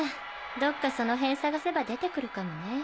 どっかその辺探せば出てくるかもね。